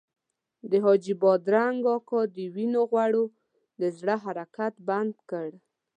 د حاجي بادرنګ اکا د وینو غوړو د زړه حرکت بند کړ.